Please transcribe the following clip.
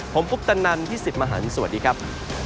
ผมปุ๊ปตันนันพี่สิบมหันสวัสดีครับ